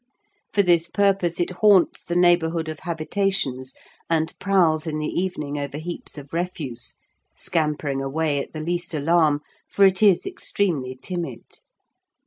For this purpose it haunts the neighbourhood of habitations, and prowls in the evening over heaps of refuse, scampering away at the least alarm, for it is extremely timid.